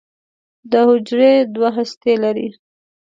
دا حجرې دوه هستې لري.